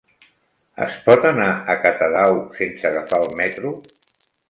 Es pot anar a Catadau sense agafar el metro?